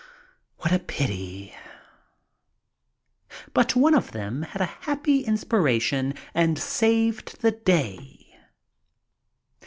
What a pity! But one of them had a happy inspiration and saved the day.